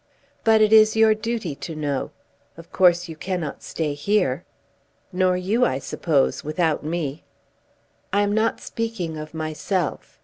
"But it is your duty to know. Of course you cannot stay here." "Nor you, I suppose, without me." "I am not speaking of myself.